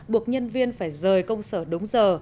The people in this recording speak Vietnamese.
buộc nhân viên phải rời công sở đúng giờ